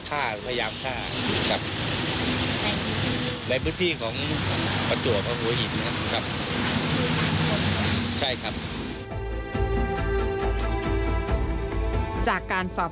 สมทรณ์อธิบาย